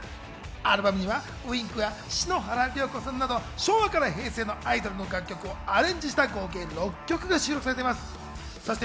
アルバムにはＷｉｎｋや篠原涼子さんなど、昭和から平成のアイドルの楽曲をアレンジした合計６曲が収録されています。